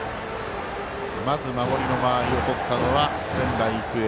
まず守りの間合いをとったのは仙台育英。